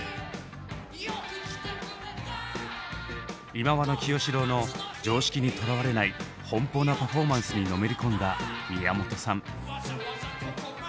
忌野清志郎の常識にとらわれない奔放なパフォーマンスにのめり込んだ宮本さん。